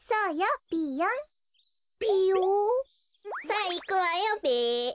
さあいくわよべ。